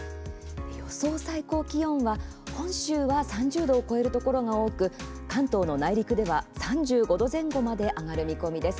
予想最高気温ですが、本州は３０度を超えるところが多く関東の内陸では３５度前後まで上がる見込みです。